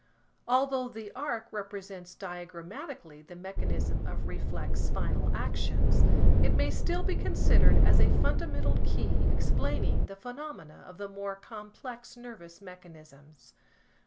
Although the arc represents diagrammatically the mechanism of reflex spinal actions, it may still be considered as a fundamental key explaining the phenomena of the more complex nervous mechanisms.